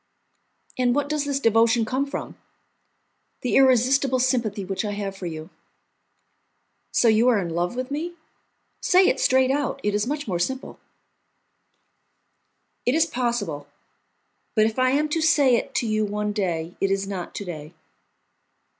"And what does this devotion come from?" "The irresistible sympathy which I have for you." "So you are in love with me? Say it straight out, it is much more simple." "It is possible; but if I am to say it to you one day, it is not to day."